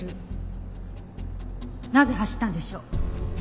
なぜ走ったんでしょう？